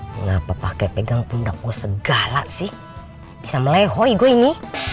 mengapa pakai pegang pundak gue segala sih bisa melehoi gue ini